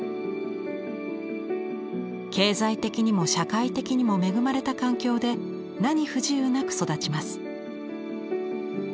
経済的にも社会的にも恵まれた環境で何不自由なく育ちます。